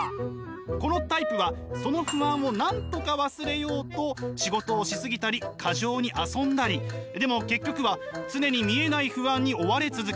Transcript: このタイプはその不安をなんとか忘れようとでも結局は常に見えない不安に追われ続けます。